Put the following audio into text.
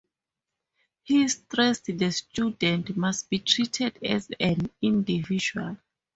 He stressed the student must be treated as an individual.